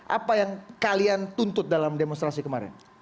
apa yang kalian tuntut dalam demonstrasi kemarin